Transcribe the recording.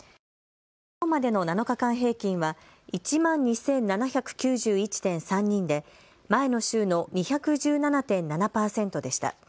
きょうまでの７日間平均は１万２７９１．３人で前の週の２１７．７％でした。